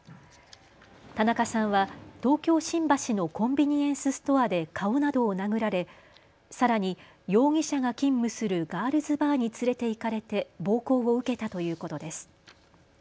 田中さんは東京新橋のコンビニエンスストアで顔などを殴られさらに容疑者が勤務するガールズバーに連れて行かれて暴行を受けたということです。